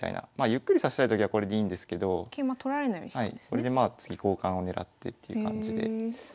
これでまあ次交換を狙ってっていう感じで指す手もあります。